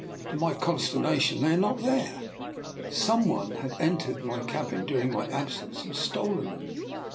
To my consternation they are not there. Some one had entered my cabin during my absence and stolen them.